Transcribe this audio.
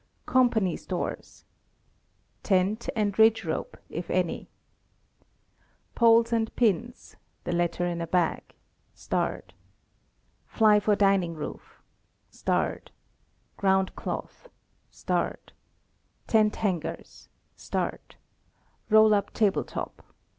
COMPANY STORES. Tent, and ridge rope, if any. *Poles and pins (the latter in a bag). *Fly for dining roof. *Ground cloth. *Tent hangers. *Roll up table top.